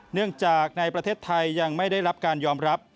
เนื่องจากในประเทศไทยยังไม่ได้รับการยอมรับ